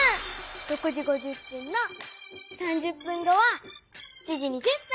６時５０分の３０分後は７時２０分！